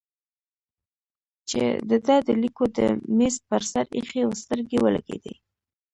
چې د ده د لیکلو د مېز پر سر ایښی و سترګې ولګېدې.